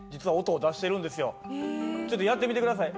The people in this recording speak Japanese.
ちょっとやってみて下さい。